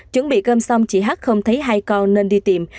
chuẩn bị gam xong chị h không thấy hai con nên đi tìm